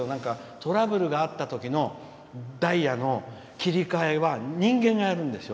トラブルがあったときのダイヤの切り替えは人間がやるんですよ。